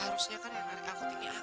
harusnya kan yang nari aku tinggalin